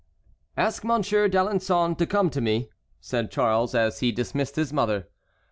"Ask Monsieur d'Alençon to come to me," said Charles as he dismissed his mother.